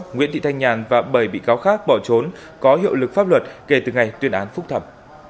nguyễn thị thanh nhàn và bảy bị cáo khác bỏ trốn có hiệu lực pháp luật kể từ ngày tuyên án phúc thẩm